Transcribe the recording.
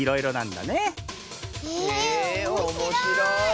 へえおもしろい！